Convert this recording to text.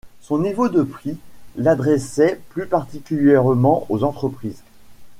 Son niveau de prix l'adressait plus particulièrement aux entreprises.